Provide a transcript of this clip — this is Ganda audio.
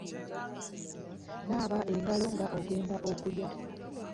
Naaba engalo nga ogenda okulya.